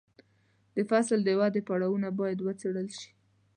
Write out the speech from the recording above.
د فصل د ودې پړاوونه باید وڅارل شي.